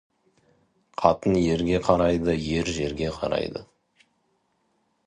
Қатын ерге қарайды, ер жерге қарайды.